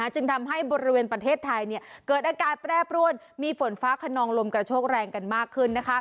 จึงทำให้บริเวณประเทศไทยเกิดอากาศแปรปรวนมีฝนฟ้าขนองลมกระโชกแรงกันมากขึ้น